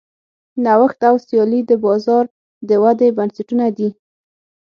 نوښت او سیالي د بازار د ودې بنسټونه دي.